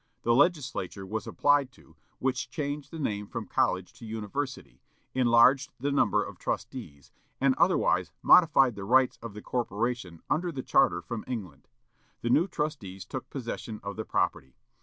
The Legislature was applied to, which changed the name from college to university, enlarged the number of trustees, and otherwise modified the rights of the corporation under the charter from England. The new trustees took possession of the property.